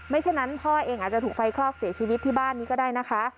ฉะนั้นพ่อเองอาจจะถูกไฟคลอกเสียชีวิตที่บ้านนี้ก็ได้นะคะ